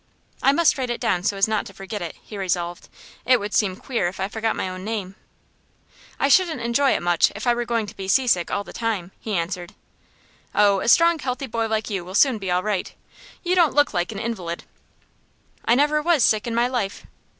"I must write it down so as not to forget it," he resolved. "It would seem queer if I forgot my own name." "I shouldn't enjoy it much if I were going to be seasick all the time," he answered. "Oh, a strong, healthy boy like you will soon be all right. You don't look like an invalid." "I never was sick in my life."